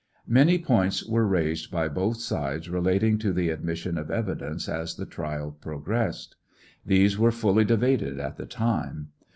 Many points were raised by both sides relating to the admission of evidence as the trial progressed. These were fully debated at the time.